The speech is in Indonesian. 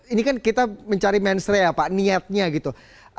ini kan kita mencari mensre ya pak niatnya gitu